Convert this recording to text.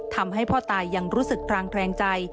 ทำให้พ่อตายังรู้สึกกลางแคลงใจ